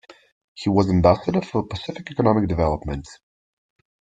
He was Ambassador for Pacific Economic Development.